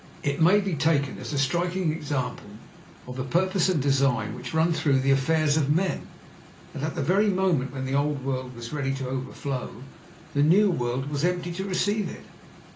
It may be taken as a striking example of the purpose and design which run through the affairs of men, that at the very moment when the old world was ready to overflow the new world was empty to receive it.